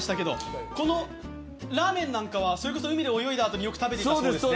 このラーメンなんかはそれこそ海で泳いだあとに食べていた？